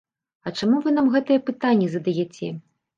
А чаму вы нам гэтае пытанне задаяце?